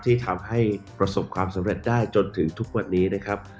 ที่ทำให้ประสบความสำเร็จได้จนถึงทุกวันนี้นะครับ